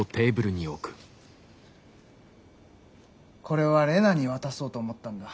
これはレナに渡そうと思ったんだ。